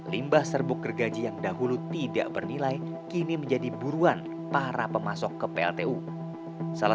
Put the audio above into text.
limbah serbuk gergaji yang dahulu tidak bernilai kini menjadi buruan para pemasok ke pltu salah